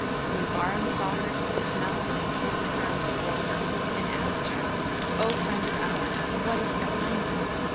When Bahram saw her he dismounted and kissed the ground before her and asked her, "O friend of Allah what is behind thee?"